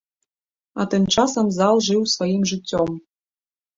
А тым часам зал жыў сваім жыццём.